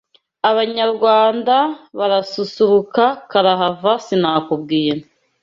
Abanyarwanda barasusuruka karahava sinakubwira